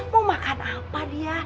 mau makan apa dia